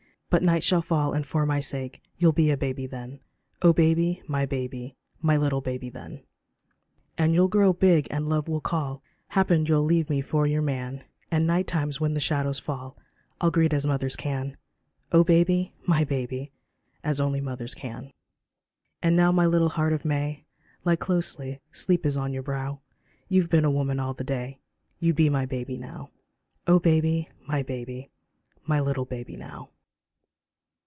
But night shall fall, and for my sake You'll be a baby then ; Oh baby, my baby I My little baby then. 17 LULLABY And you'll grow big and love will call Happen you'll leave me for your man, And night times when the shadows fall I'll greet as mothers can ; Oh baby, my baby I As only mothers can. And now my little heart of May, Lie closely, sleep is on your brow, You've been a woman all the day, You'd be my baby now ; Oh baby, my baby ! My little baby now.